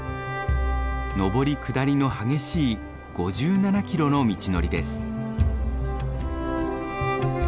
上り下りの激しい５７キロの道のりです。